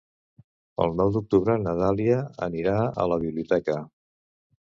El nou d'octubre na Dàlia anirà a la biblioteca.